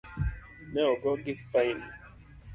Ne ogogi fain.